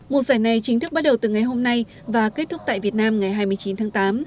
mùa giải này chính thức bắt đầu từ ngày hôm nay và kết thúc tại việt nam ngày hai mươi chín tháng tám